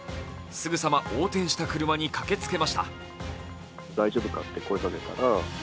すぐさま横転した車に駆けつけました。